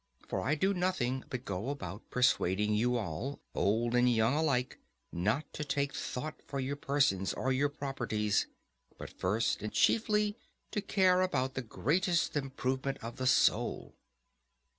For I do nothing but go about persuading you all, old and young alike, not to take thought for your persons or your properties, but first and chiefly to care about the greatest improvement of the soul.